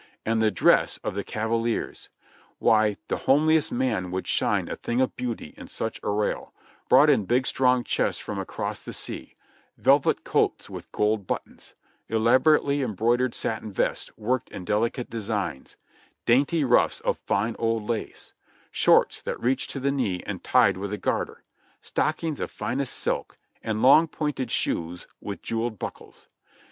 And the dress of the cavaliers! Why, the homeliest man would shine "a thing of beauty" in such arrayal, brought in big strong chests from across the sea — velvet coats with gold buttons; elaborately embroidered satin vests worked in delicate designs ; dainty ruffs of fine old lace ; shorts that reached to the knee and tied with a garter; stockings of finest silk, and long, pointed shoes with jewelled buckles.